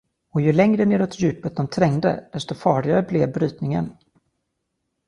Och ju längre neråt djupet de trängde, desto farligare blev brytningen.